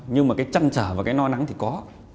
nhưng mà cái chăn trở và cái no nắng thì có